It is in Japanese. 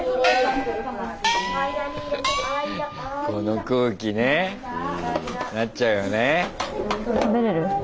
この空気ねなっちゃうよね。